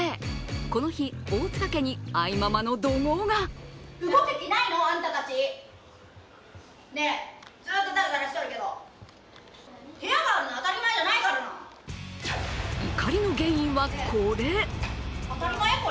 この日、大塚家に愛ママの怒号が怒りの原因は、これ。